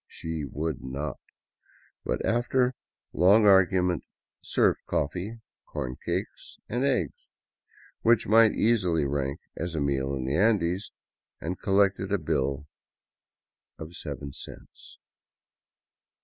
She would not, but after long argu ment served coffee, corn cakes, and eggs — which might easily rank as a meal in the Andes — and collected a bill of seven cents.